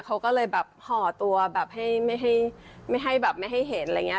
เขาก็เลยแบบห่อตัวแบบให้ไม่ให้ไม่ให้แบบไม่ให้เห็นอะไรเงี้ย